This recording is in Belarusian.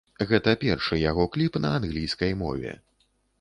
Гэта першы яго кліп на англійскай мове.